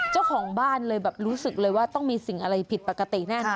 เจ้าของบ้านเลยแบบรู้สึกเลยว่าต้องมีสิ่งอะไรผิดปกติแน่นอ